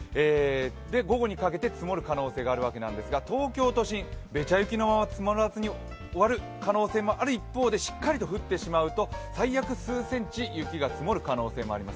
午後にかけて積もる可能性があるわけなんですが東京都心、べちゃ雪のまま積もらずに終わるかもしれない一方でしっかりと降ってしまうと最悪、数センチ雪が積もる可能性もあります。